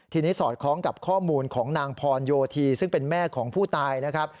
ทีนี้สอดคล้องกับข้อมูลของนางพรโยธีซึ่งเป็นแม่ของผู้ตายนะครับ